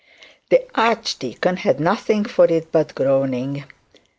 The archdeacon had nothing for it but groaning.